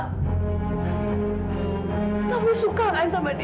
aku suka kan sama dia